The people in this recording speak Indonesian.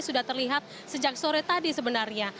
sudah terlihat sejak sore tadi sebenarnya